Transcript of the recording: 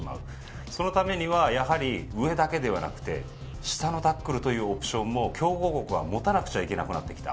そのためにはやはり上だけでなくて下のタックルというオプションも強豪国は持たなくちゃいけなくなってきた。